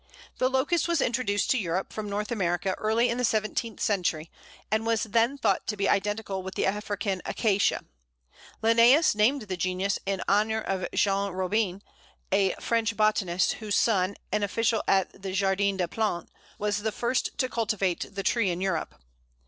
The Locust was introduced to Europe from North America early in the seventeenth century, and was then thought to be identical with the African Acacia. Linnæus named the genus in honour of Jean Robin, a French botanist, whose son, an official at the Jardin des Plantes, was the first to cultivate the tree in Europe.